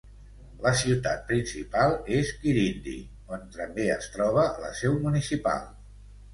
La ciutat principal és Quirindi, on també es troba la seu municipal.